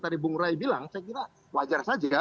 tadi bung rai bilang saya kira wajar saja